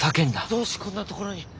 どうしてこんなところに。